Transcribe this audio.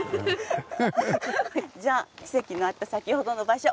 じゃキセキのあった先ほどの場所